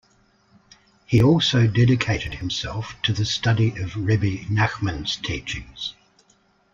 He also dedicated himself to the study of Rebbe Nachman's teachings.